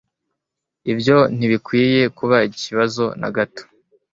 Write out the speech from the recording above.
Ibyo ntibikwiye kuba ikibazo na gato.